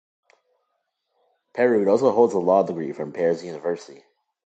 Perraud also holds a Law degree from Paris University.